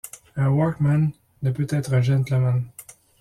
Un workman ne peut être un gentleman.